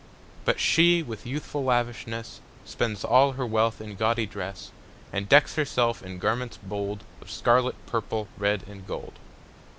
But she, with youthful lavishness, Spends all her wealth in gaudy dress, And decks herself in garments bold Of scarlet, purple, red, and gold.